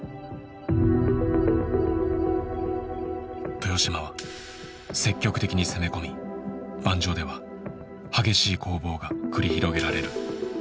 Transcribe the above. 豊島は積極的に攻め込み盤上では激しい攻防が繰り広げられる。